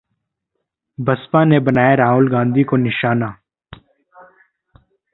बसपा ने बनाया राहुल गांधी को निशाना